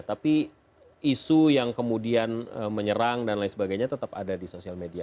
tapi isu yang kemudian menyerang dan lain sebagainya tetap ada di sosial media